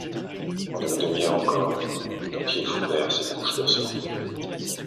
Pendant une demi-heure encore, nos pieds foulèrent ces couches d’ossements.